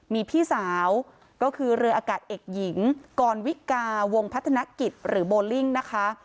มีพี่สาวก็คือเรืออากาศเอกหญิงกรวิกาวงพัฒนกิจหรือโบลิ่งนะคะ